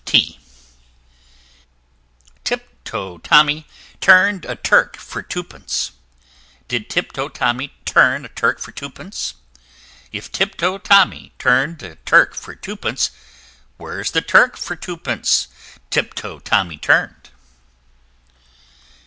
T t [Illustration: Tip toe Tommy] Tip toe Tommy turn'd a Turk for Two pence: Did Tip toe Tommy turn a Turk for Two pence? If Tip toe Tommy turn'd a Turk for Two pence, Where's the Turk for Two pence Tip toe Tommy turn'd?